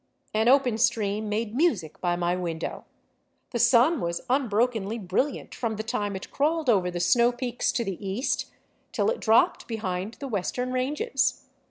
An open stream made music by my window ; the sun was unbrokenly brilliant from the time it crawled over the snow peaks to the east till it dropped behind the western ranges.